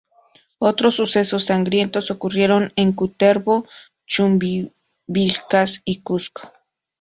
Otros sucesos sangrientos ocurrieron en Cutervo, Chumbivilcas y Cuzco.